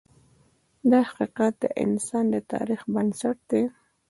دا حقیقت د انسان د تاریخ بنسټ دی.